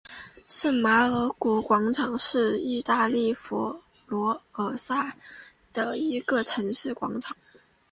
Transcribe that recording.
圣马尔谷广场是意大利佛罗伦萨的一个城市广场。